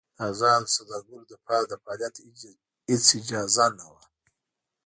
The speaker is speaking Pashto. د ازادو سوداګرو لپاره د فعالیت هېڅ اجازه نه وه.